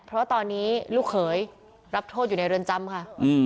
เพราะตอนนี้ลูกเขยรับโทษอยู่ในเรือนจำค่ะ